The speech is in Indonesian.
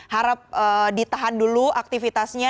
harap ditahan dulu aktivitasnya